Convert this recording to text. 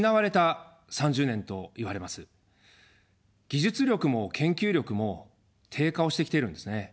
技術力も研究力も低下をしてきているんですね。